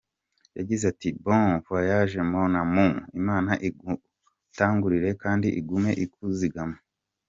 Yagize ati "Bon voyage mon amour imana igutangurire kand igume ikuzigama.